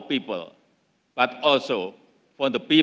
tetapi juga untuk orang orang dunia